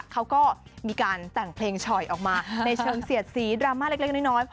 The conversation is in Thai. เขาก็มีการแต่งเพลงฉ่อยออกมาในเชิงเสียดสีดราม่าเล็กน้อย